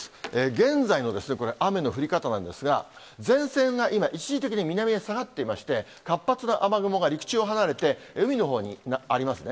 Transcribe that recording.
現在の雨の降り方なんですが、前線が今、一時的に南に下がっていまして、活発な雨雲が陸地を離れて、海のほうにありますね。